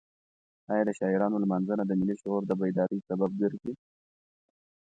ایا د شاعرانو لمانځنه د ملي شعور د بیدارۍ سبب ګرځي؟